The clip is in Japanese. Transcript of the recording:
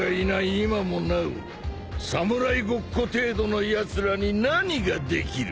今もなお侍ごっこ程度のやつらに何ができる。